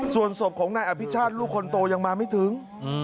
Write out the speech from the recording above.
ส่วนศพของนายอภิชาติลูกคนโตยังมาไม่ถึง